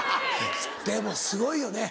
でもすごいよね